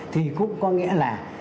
thì cũng có nghĩa là